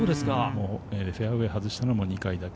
フェアウエー外したのも２回だけ。